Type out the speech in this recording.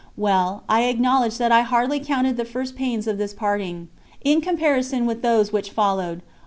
Well, I acknowledge that I hardly counted the first pains of this parting, in comparison with those which followed.